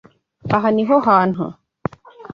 Aha niho hantu.